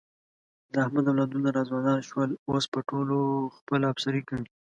د احمد اولادونه را ځوانان شول، اوس په ټولو خپله افسري کوي.